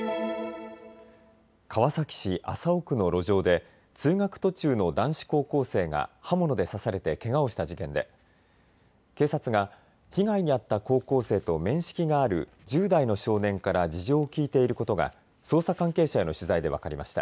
川崎市麻生区の路上で通学途中の男子高校生が刃物で刺されてけがをした事件で警察が被害に遭った高校生と面識がある１０代の少年から事情を聴いていることが捜査関係者への取材で分かりました。